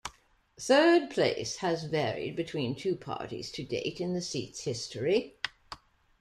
Third place has varied between two parties to date in the seat's history.